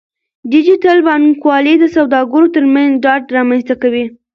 ډیجیټل بانکوالي د سوداګرو ترمنځ ډاډ رامنځته کوي.